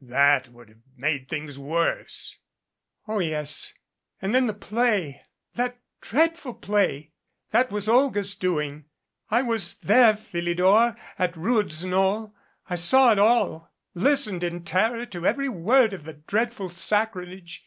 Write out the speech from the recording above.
That would have made things worse." "Oh, yes and then the play that dreadful play ! That was Olga's doing. I was there, Philidor, at Rood's Knoll. I saw it all. Listened in terror to every word of the dreadful sacrilege.